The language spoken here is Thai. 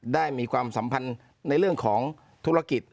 มีความสัมพันธ์ในเรื่องของธุรกิจ